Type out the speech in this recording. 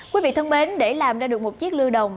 quý vị thân mến để làm ra được một chiếc lưu đồng